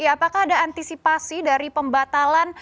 apakah ada antisipasi dari pembatalan